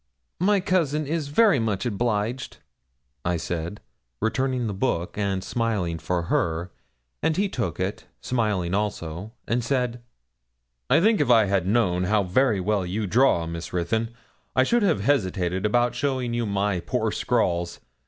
'My cousin is very much obliged,' I said, returning the book, and smiling for her, and he took it smiling also and said 'I think if I had known how very well you draw, Miss Ruthyn, I should have hesitated about showing you my poor scrawls.